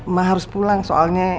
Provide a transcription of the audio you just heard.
emak harus pulang soalnya